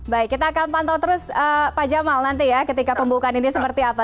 baik kita akan pantau terus pak jamal nanti ya ketika pembukaan ini seperti apa